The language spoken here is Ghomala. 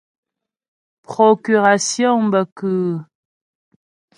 Procurasyɔŋ bə kʉ́ʉ́ ?